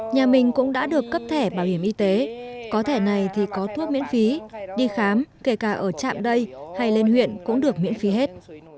nhà mình cũng đã được cấp thẻ bảo hiểm y tế có thẻ này thì có thuốc miễn phí đi khám kể cả ở trạm đây hay lên huyện cũng được miễn phí hết